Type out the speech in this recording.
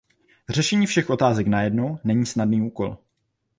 Řešení všech otázek najednou není snadný úkol.